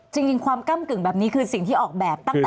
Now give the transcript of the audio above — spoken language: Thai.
จริงความก้ำกึ่งแบบนี้คือสิ่งที่ออกแบบตั้งแต่